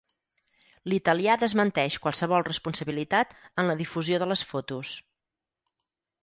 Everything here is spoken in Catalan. L'italià desmenteix qualsevol responsabilitat en la difusió de les fotos.